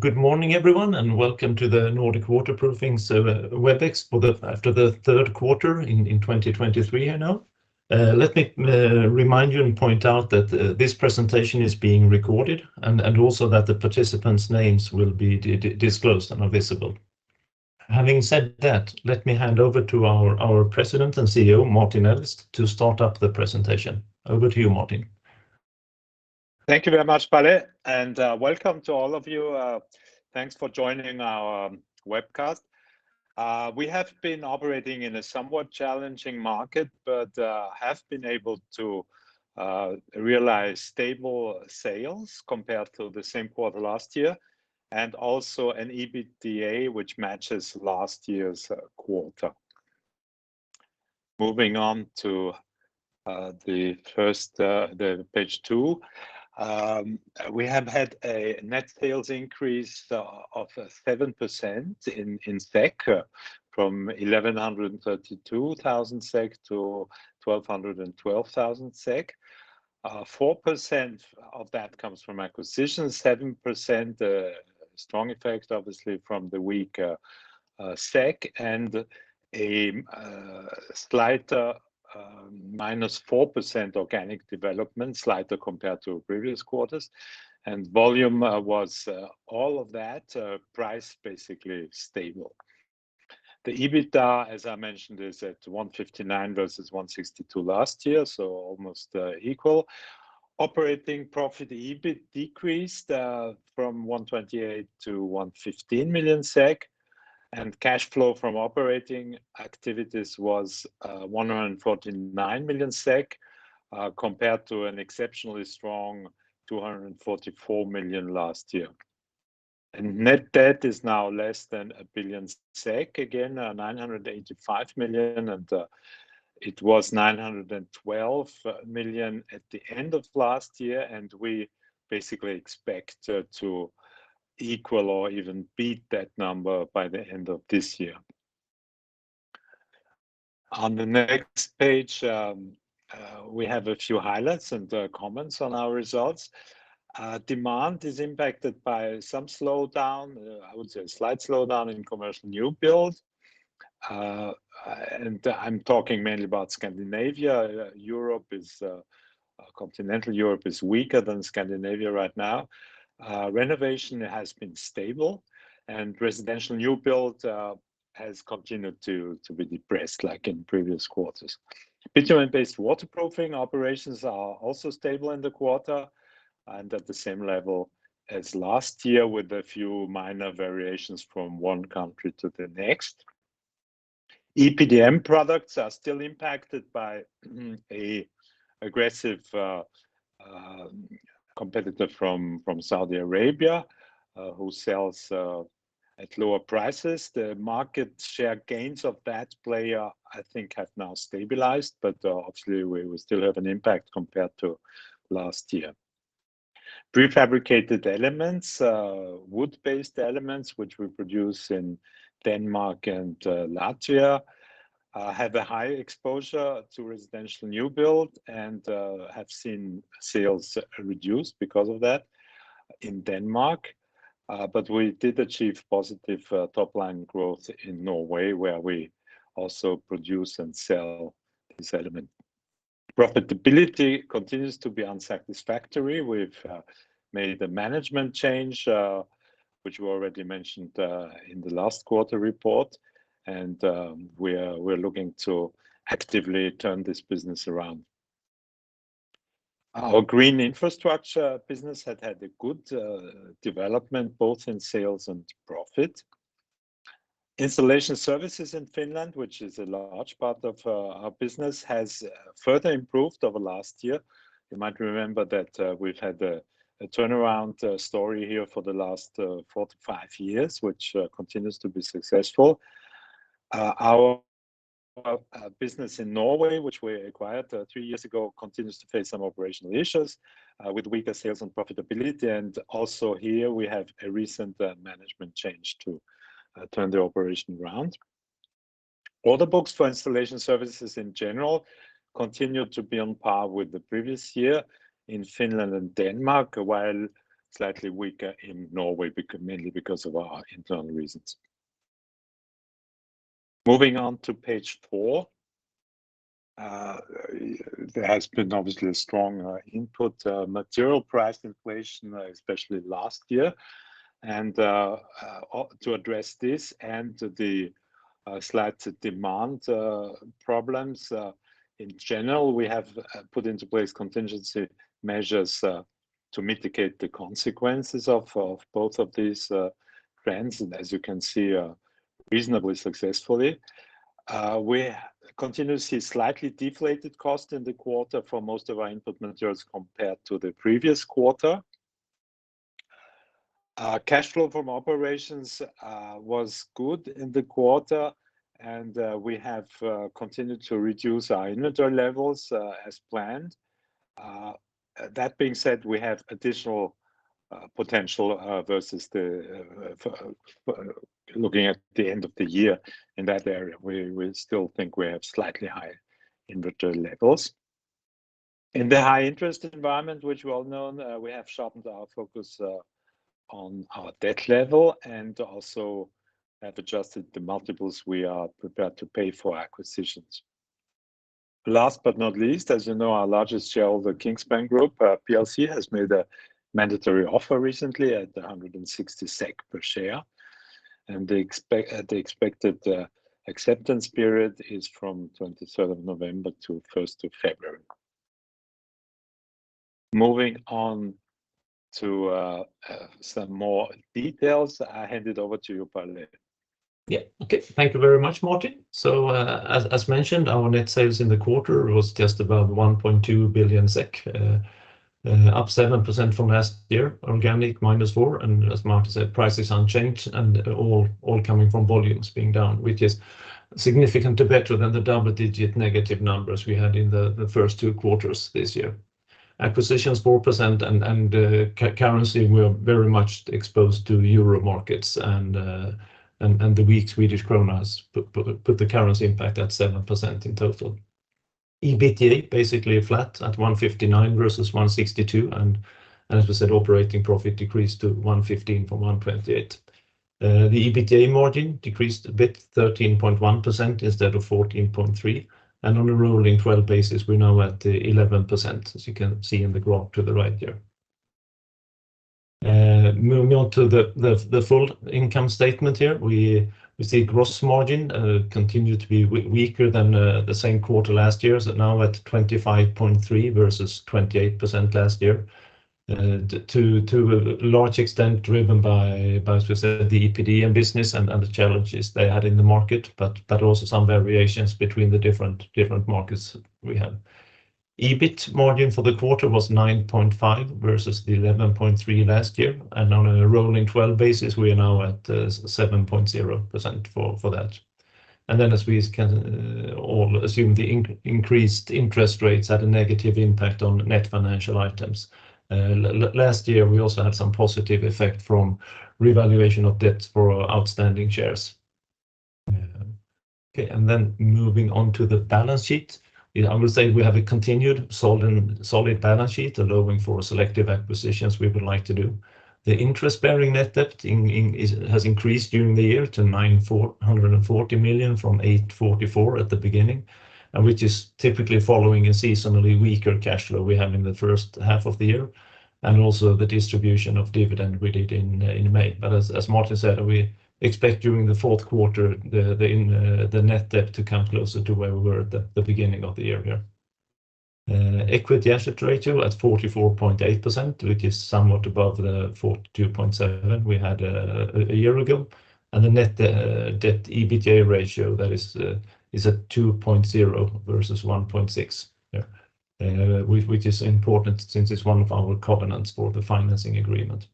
Good morning, everyone, and welcome to the Nordic Waterproofing webex after the third quarter in 2023 here now. Let me remind you and point out that this presentation is being recorded, and also that the participants' names will be disclosed and are visible. Having said that, let me hand over to our President and CEO, Martin Ellis, to start up the presentation. Over to you, Martin. Thank you very much, Palle, and welcome to all of you. Thanks for joining our webcast. We have been operating in a somewhat challenging market, but have been able to realize stable sales compared to the same quarter last year, and also an EBITDA, which matches last year's quarter. Moving on to the first, the page two. We have had a net sales increase of 7% in SEK, from 1,132,000 SEK to 1,212,000 SEK. Four percent of that comes from acquisitions, 7% strong effect, obviously, from the weak SEK, and a slight minus 4% organic development, slightly compared to previous quarters. And volume was all of that, price, basically stable. The EBITDA, as I mentioned, is at 159 million versus 162 million last year, so almost equal. Operating profit, EBIT decreased from 128 million to 115 million SEK, and cash flow from operating activities was 149 million SEK compared to an exceptionally strong 244 million last year. And net debt is now less than 1 billion SEK, again, 985 million, and it was 912 million at the end of last year, and we basically expect to equal or even beat that number by the end of this year. On the next page, we have a few highlights and comments on our results. Demand is impacted by some slowdown, I would say a slight slowdown in commercial new build. I'm talking mainly about Scandinavia. Continental Europe is weaker than Scandinavia right now. Renovation has been stable, and residential new build has continued to be depressed like in previous quarters. Bitumen-based waterproofing operations are also stable in the quarter and at the same level as last year, with a few minor variations from one country to the next. EPDM products are still impacted by an aggressive competitor from Saudi Arabia who sells at lower prices. The market share gains of that player, I think, have now stabilized, but obviously we still have an impact compared to last year. Prefabricated elements, wood-based elements, which we produce in Denmark and Latvia, have a high exposure to residential new build and have seen sales reduced because of that in Denmark. But we did achieve positive top-line growth in Norway, where we also produce and sell this element. Profitability continues to be unsatisfactory. We've made a management change, which we already mentioned in the last quarter report, and we're looking to actively turn this business around. Our green infrastructure business had a good development, both in sales and profit. Installation services in Finland, which is a large part of our business, has further improved over last year. You might remember that we've had a turnaround story here for the last four to five years, which continues to be successful. Our business in Norway, which we acquired three years ago, continues to face some operational issues with weaker sales and profitability. Also here, we have a recent management change to turn the operation around. Order books for installation services in general continued to be on par with the previous year in Finland and Denmark, while slightly weaker in Norway, mainly because of our internal reasons. Moving on to page four. There has been obviously a strong input material price inflation, especially last year. And to address this and the slight demand problems in general, we have put into place contingency measures to mitigate the consequences of both of these trends, and as you can see, reasonably successfully. We continuously slightly deflated cost in the quarter for most of our input materials compared to the previous quarter. Cash flow from operations was good in the quarter, and we have continued to reduce our inventory levels as planned. That being said, we have additional potential versus the looking at the end of the year in that area. We still think we have slightly high inventory levels. In the high interest environment, which is well known, we have sharpened our focus on our debt level and also have adjusted the multiples we are prepared to pay for acquisitions. Last but not least, as you know, our largest shareholder, Kingspan Group plc, has made a mandatory offer recently at 160 SEK per share, and the expected acceptance period is from 23 of November to first of February. Moving on to some more details, I hand it over to you, Palle. Yeah. Okay. Thank you very much, Martin. So, as mentioned, our net sales in the quarter was just above 1.2 billion SEK, up 7% from last year, organic -4%, and as Martin said, prices unchanged and all coming from volumes being down, which is significantly better than the double-digit negative numbers we had in the first two quarters this year. Acquisitions, 4% and currency, we are very much exposed to euro markets and the weak Swedish krona put the currency impact at 7% in total. EBITDA, basically flat at 159 million versus 162 million, and as we said, operating profit decreased to 115 million from 128 million. The EBITDA margin decreased a bit, 13.1% instead of 14.3%, and on a rolling twelve basis, we're now at 11%, as you can see in the graph to the right here. Moving on to the full income statement here, we see gross margin continue to be weaker than the same quarter last year, so now at 25.3% versus 28% last year. To a large extent, driven by, as we said, the EPDM business and the challenges they had in the market, but also some variations between the different markets we have. EBIT margin for the quarter was 9.5% versus the 11.3% last year, and on a rolling 12 basis, we are now at 7.0% for that. Then, as we can all assume, the increased interest rates had a negative impact on net financial items. Last year, we also had some positive effect from revaluation of debt for our outstanding shares. Okay, and then moving on to the balance sheet. I will say we have a continued solid balance sheet, allowing for selective acquisitions we would like to do. The interest-bearing net debt has increased during the year to 940 million from 844 million at the beginning, and which is typically following a seasonally weaker cash flow we have in the first half of the year, and also the distribution of dividend we did in May. But as Martin said, we expect during the fourth quarter, the net debt to come closer to where we were at the beginning of the year here. Equity asset ratio at 44.8%, which is somewhat above the 42.7% we had a year ago, and the net debt EBITDA ratio, that is, is at 2.0x versus 1.6x. Yeah. Which is important since it's one of our covenants for the financing agreement.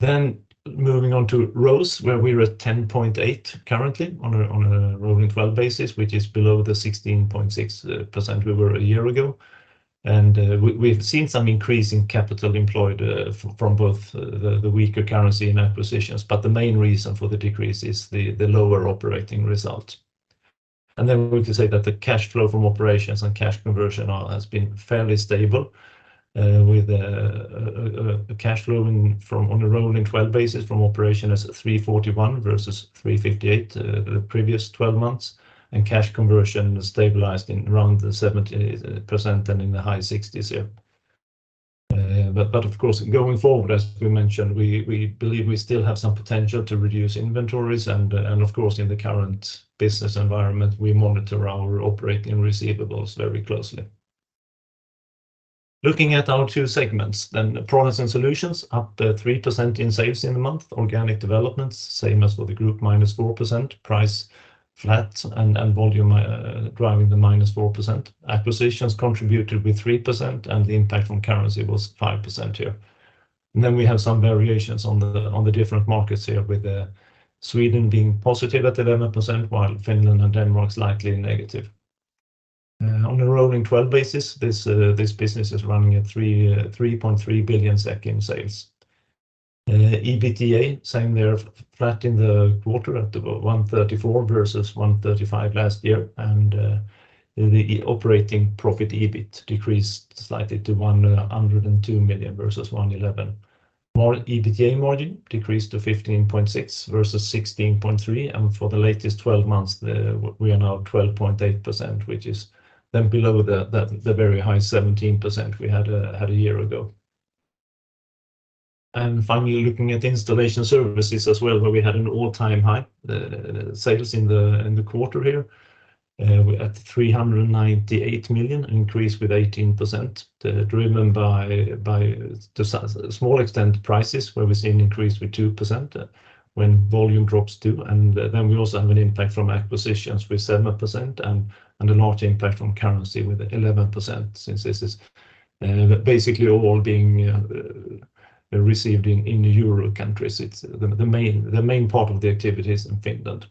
Then moving on to ROCE, where we're at 10.8 currently on a rolling twelve basis, which is below the 16.6% we were a year ago. We've seen some increase in capital employed, from both the weaker currency and acquisitions, but the main reason for the decrease is the lower operating result. Then we can say that the cash flow from operations and cash conversion has been fairly stable, with a cash flow from operations on a rolling twelve basis from operations as 341 versus 358, the previous twelve months, and cash conversion stabilized in around the 70% and in the high 60s% here. But of course, going forward, as we mentioned, we believe we still have some potential to reduce inventories, and of course, in the current business environment, we monitor our operating receivables very closely. Looking at our two segments, then Products and Solutions, up 3% in sales in the month. Organic developments, same as for the group, -4%. Price, flat and, and volume, driving the -4%. Acquisitions contributed with 3%, and the impact from currency was 5% here. Then we have some variations on the, on the different markets here, with, Sweden being positive at 11%, while Finland and Denmark slightly negative. On a rolling 12 basis, this, this business is running at 3.3 billion in sales. EBITDA, same there, flat in the quarter at 134 million versus 135 million last year, and, the operating profit, EBIT, decreased slightly to 102 million versus 111 million. More EBITDA margin decreased to 15.6% versus 16.3%, and for the latest twelve months, we are now 12.8%, which is then below the very high 17% we had a year ago. And finally, looking at installation services as well, where we had an all-time high sales in the quarter here. We're at 398 million, increased with 18%, driven by the small extent prices, where we've seen an increase with 2% when volume drops too. And then we also have an impact from acquisitions with 7% and a large impact from currency with 11%, since this is basically all being received in the Euro countries. It's the main part of the activities in Finland.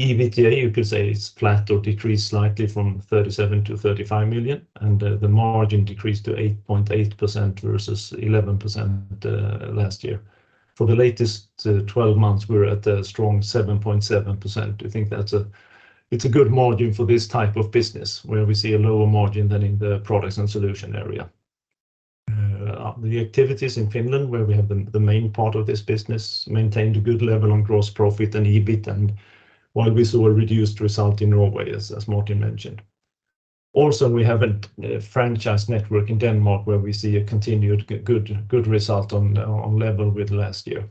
EBITDA, you could say, is flat or decreased slightly from 37 million to 35 million, and, the margin decreased to 8.8% versus 11%, last year. For the latest 12 months, we're at a strong 7.7%. We think that's it's a good margin for this type of business, where we see a lower margin than in the products and solution area. The activities in Finland, where we have the main part of this business, maintained a good level on gross profit and EBIT, and while we saw a reduced result in Norway, as Martin mentioned. Also, we have a franchise network in Denmark, where we see a continued good result on level with last year.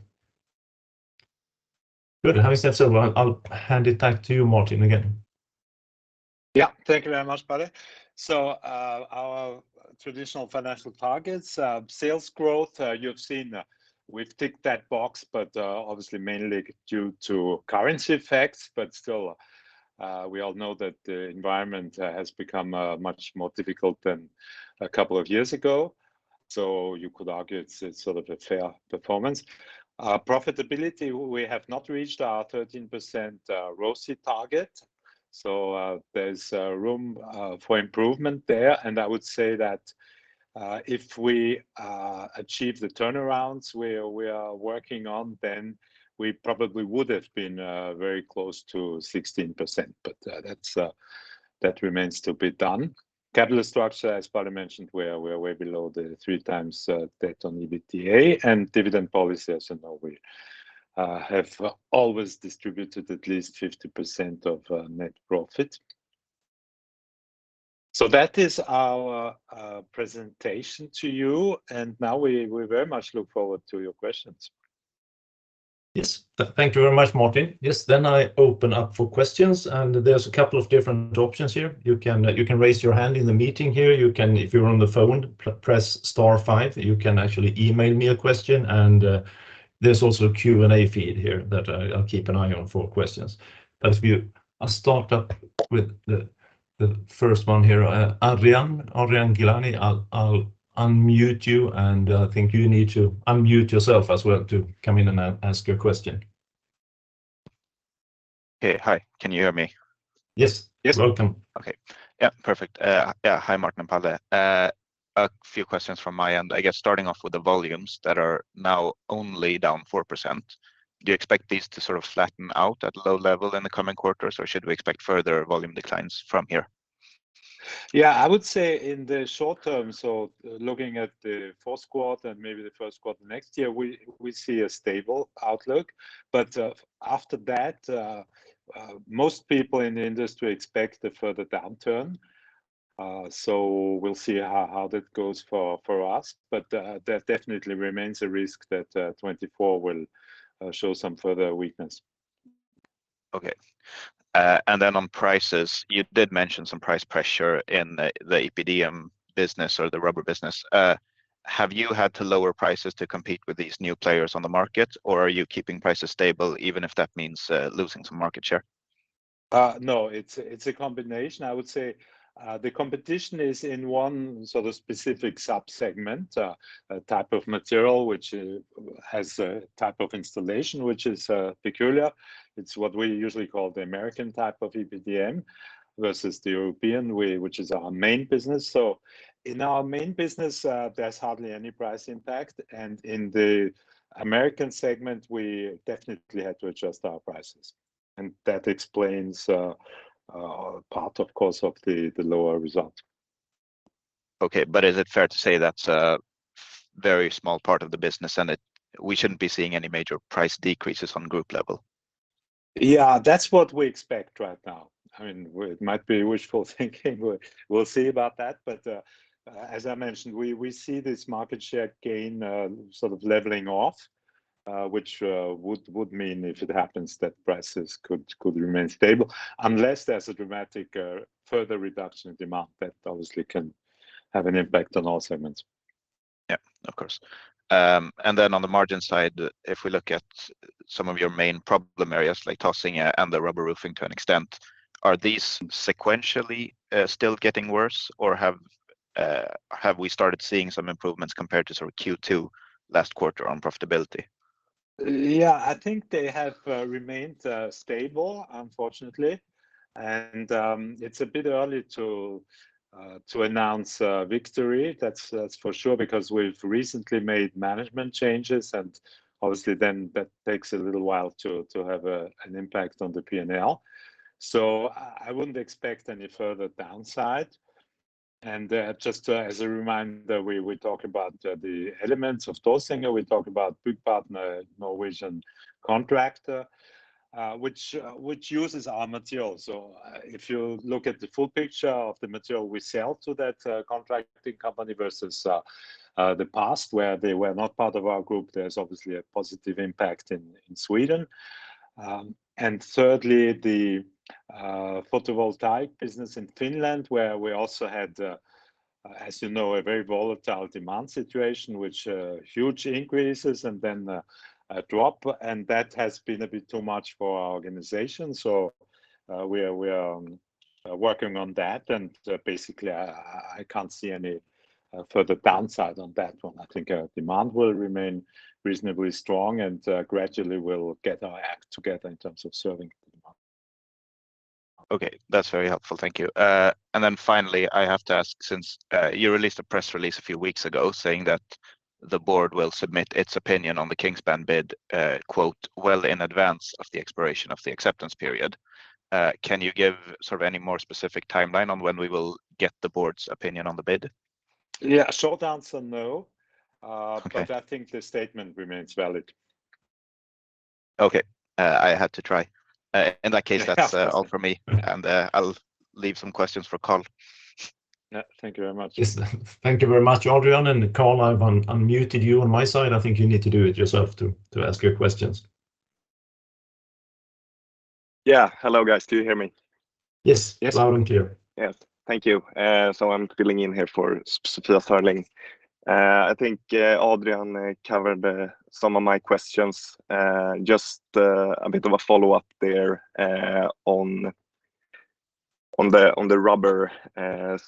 Good. Having said so, I'll hand it back to you, Martin, again. Yeah, thank you very much, Palle. So, our traditional financial targets, sales growth, you've seen we've ticked that box, but, obviously mainly due to currency effects. But still, we all know that the environment has become much more difficult than a couple of years ago, so you could argue it's sort of a fair performance. Profitability, we have not reached our 13% ROCE target, so, there's room for improvement there, and I would say that, if we achieve the turnarounds where we are working on, then we probably would have been very close to 16%. But, that's that remains to be done. Capital structure, as Palle mentioned, we're way below the 3x debt on EBITDA. Dividend policy, as you know, we have always distributed at least 50% of net profit. That is our presentation to you, and now we very much look forward to your questions. Yes. Thank you very much, Martin. Yes, then I open up for questions, and there's a couple of different options here. You can, you can raise your hand in the meeting here. You can, if you're on the phone, press star five. You can actually email me a question, and there's also a Q&A feed here that I, I'll keep an eye on for questions. Let's view. I'll start up with the first one here. Adrian, Adrian Gilani, I'll unmute you, and I think you need to unmute yourself as well to come in and ask your question. Okay. Hi, can you hear me? Yes. Yes. Welcome. Okay. Yeah, perfect. Yeah, hi, Martin and Palle. A few questions from my end. I guess starting off with the volumes that are now only down 4%, do you expect these to sort of flatten out at low level in the coming quarters, or should we expect further volume declines from here? Yeah, I would say in the short term, so looking at the fourth quarter and maybe the first quarter next year, we see a stable outlook. But, after that, most people in the industry expect a further downturn. So we'll see how that goes for us, but that definitely remains a risk that 2024 will show some further weakness. Okay. And then on prices, you did mention some price pressure in the EPDM business or the rubber business. Have you had to lower prices to compete with these new players on the market, or are you keeping prices stable, even if that means losing some market share? No, it's a combination. I would say, the competition is in one sort of specific subsegment, type of material, which has a type of installation, which is peculiar. It's what we usually call the American type of EPDM versus the European, which is our main business. So in our main business, there's hardly any price impact, and in the American segment, we definitely had to adjust our prices, and that explains part, of course, of the lower result. Okay, but is it fair to say that's a very small part of the business and we shouldn't be seeing any major price decreases on group level? Yeah, that's what we expect right now. I mean, it might be wishful thinking, but we'll see about that. But, as I mentioned, we see this market share gain, sort of leveling off, which would mean, if it happens, that prices could remain stable, unless there's a dramatic, further reduction in demand, that obviously can have an impact on all segments. Yeah, of course. And then on the margin side, if we look at some of your main problem areas like Taasinge and the rubber roofing to an extent, are these sequentially still getting worse, or have we started seeing some improvements compared to sort of Q2 last quarter on profitability? Yeah, I think they have remained stable, unfortunately. It's a bit early to announce victory, that's for sure, because we've recently made management changes, and obviously then, that takes a little while to have an impact on the P&L. So I wouldn't expect any further downside. Just as a reminder, we talk about the elements of Taasinge, we talk about Byggpartner, Norwegian contractor, which uses our materials. So if you look at the full picture of the material we sell to that contracting company versus the past, where they were not part of our group, there's obviously a positive impact in Sweden. And thirdly, the photovoltaic business in Finland, where we also had, as you know, a very volatile demand situation, which huge increases and then a drop, and that has been a bit too much for our organization. So, we are working on that, and basically, I can't see any further downside on that one. I think demand will remain reasonably strong, and gradually we'll get our act together in terms of serving. Okay, that's very helpful. Thank you. And then finally, I have to ask, since you released a press release a few weeks ago saying that the board will submit its opinion on the Kingspan bid, quote, well in advance of the expiration of the acceptance period, can you give sort of any more specific timeline on when we will get the board's opinion on the bid? Yeah, short answer, no. Okay. But I think the statement remains valid. Okay. I had to try. In that case. Yeah. That's all for me, and I'll leave some questions for Carl. Yeah, thank you very much. Yes, thank you very much, Adrian. Carl, I've unmuted you on my side. I think you need to do it yourself to ask your questions. Yeah. Hello, guys. Do you hear me? Yes. Yes. Loud and clear. Yes, thank you. So I'm filling in here for Sofia Sörling. I think Adrian covered some of my questions. Just a bit of a follow-up there on the rubber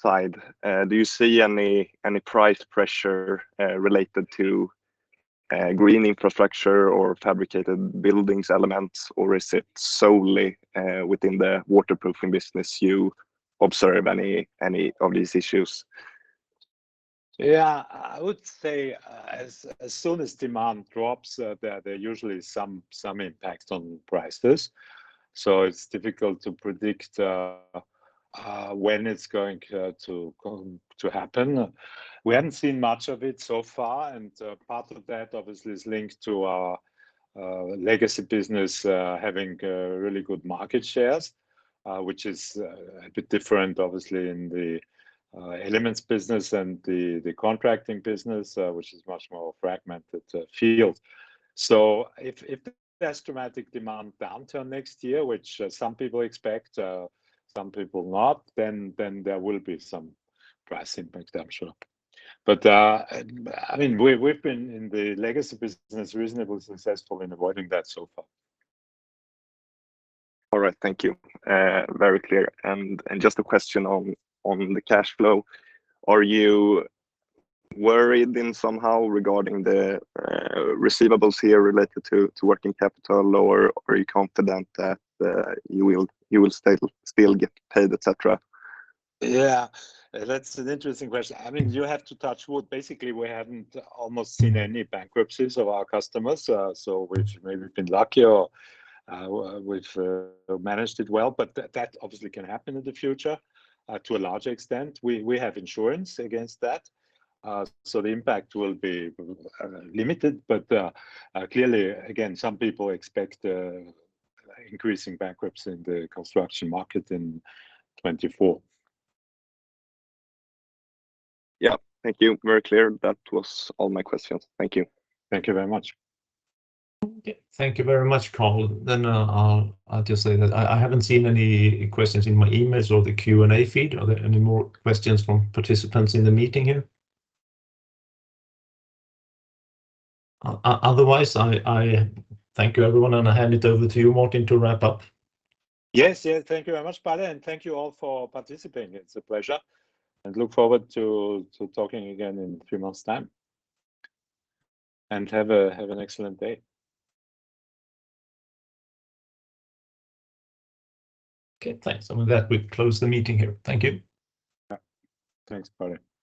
side. Do you see any price pressure related to green infrastructure or fabricated buildings elements? Or is it solely within the waterproofing business you observe any of these issues? Yeah. I would say, as soon as demand drops, there are usually some impact on prices, so it's difficult to predict when it's going to happen. We haven't seen much of it so far, and part of that obviously is linked to our legacy business having really good market shares. Which is a bit different, obviously, in the elements business and the contracting business, which is much more fragmented field. So if there's dramatic demand down till next year, which some people expect, some people not, then there will be some price impact, I'm sure. But I mean, we've been in the legacy business reasonably successful in avoiding that so far. All right. Thank you. Very clear. And just a question on the cash flow. Are you worried then somehow regarding the receivables here related to working capital, or are you confident that you will still get paid, et cetera? Yeah, that's an interesting question. I mean, you have to touch wood. Basically, we haven't almost seen any bankruptcies of our customers, so which maybe we've been lucky or we've managed it well, but that obviously can happen in the future to a large extent. We have insurance against that, so the impact will be limited. But clearly, again, some people expect increasing bankruptcy in the construction market in 2024. Yeah. Thank you. Very clear. That was all my questions. Thank you. Thank you very much. Yeah, thank you very much, Carl. Then, I'll just say that I haven't seen any questions in my emails or the Q&A feed. Are there any more questions from participants in the meeting here? Otherwise, I thank you, everyone, and I hand it over to you, Martin, to wrap up. Yes, yes. Thank you very much, Palle, and thank you all for participating. It's a pleasure, and look forward to, to talking again in three months' time. And have a, have an excellent day. Okay, thanks. With that, we close the meeting here. Thank you. Yeah. Thanks, Palle.